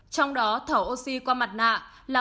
trong đó thở oxy qua mặt nạ là bốn hai trăm bảy mươi bảy ca